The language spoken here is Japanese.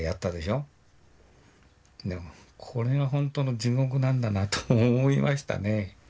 でもこれが本当の地獄なんだなと思いましたね。